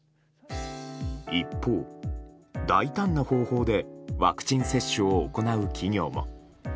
一方、大胆な方法でワクチン接種を行う企業も。